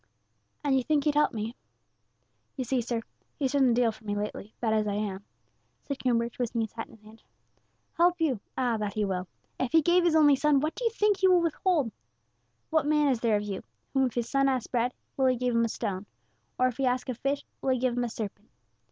"And you think He'd help me? You see, sir, He's done a deal for me lately, bad as I am," said Coomber, twisting his hat in his hand. "Help you! ah, that He will. If He gave His only Son, what do you think He will withhold? 'What man is there of you, whom if his son ask bread, will he give him a stone? Or if he ask a fish, will he give him a serpent?